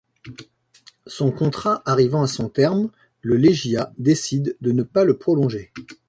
Son contrat arrivant à son terme, le Legia décide de ne pas le prolonger.